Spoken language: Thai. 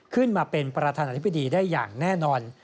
ขึ้นมาเป็นประธานาธิบดีได้อย่างแน่นอน